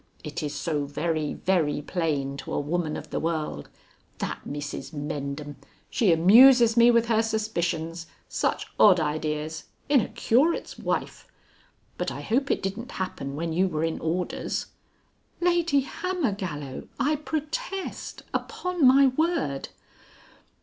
It is so very, very plain, to a woman of the world. That Mrs Mendham! She amuses me with her suspicions. Such odd ideas! In a Curate's wife. But I hope it didn't happen when you were in orders." "Lady Hammergallow, I protest. Upon my word."